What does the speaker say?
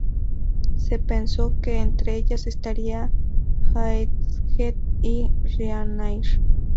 Se pensó que entre ellas estarían easyJet y Ryanair.